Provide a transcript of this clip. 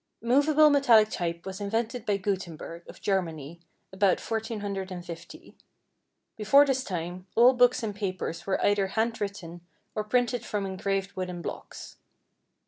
= Movable metallic type was invented by Gutenberg, of Germany, about 1450. Before this time, all books and papers were either hand written or printed from engraved wooden blocks.